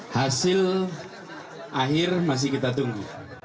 hasil akhir masih kita tunggu